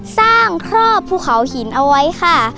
ครอบภูเขาหินเอาไว้ค่ะ